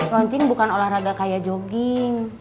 launching bukan olahraga kayak jogging